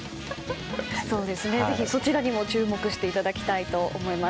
そうですね、ぜひそちらにも注目していただきたいと思います。